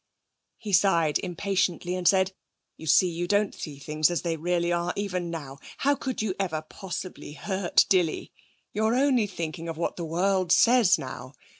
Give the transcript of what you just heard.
He sighed impatiently, and said: 'You see, you don't see things as they really are, even now. How could you ever possibly hurt Dilly? You're only thinking of what the world says, now.